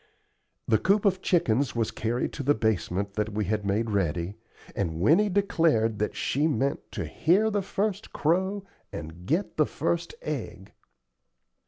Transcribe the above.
The coop of chickens was carried to the basement that we had made ready, and Winnie declared that she meant to "hear the first crow and get the first egg."